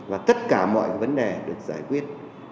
và tất cả mọi vấn đề được giải quyết